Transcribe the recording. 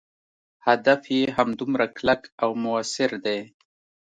هدف یې همدومره کلک او موثر دی.